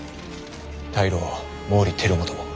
大老毛利輝元も。